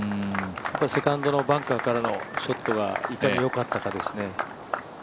セカンドのバンカーからのショットがいかによかったかですね。